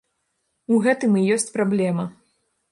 У гэтым і ёсць праблема.